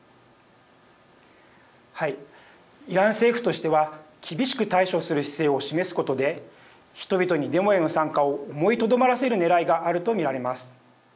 イラン政府としては厳しく対処する姿勢を示すことで人々にデモへの参加を思いとどまらせるねらいがあると見られます。